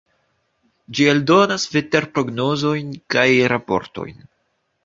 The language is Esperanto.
Ĝi eldonas veterprognozojn kaj raportojn.